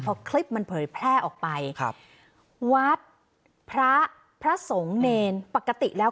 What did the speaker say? พอคลิปมันเผยแพร่ออกไปครับวัดพระพระสงฆ์เนรปกติแล้ว